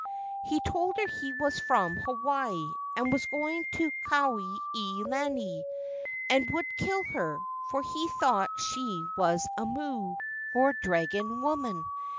He told her he was from Hawaii and was going to Kuai he lani and would kill her, for he thought she was a mo o, or dragon woman.